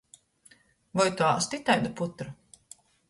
Voi tu āstu itaidu putru?